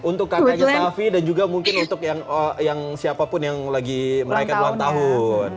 untuk kakak istafi dan juga mungkin untuk yang siapapun yang lagi merayakan ulang tahun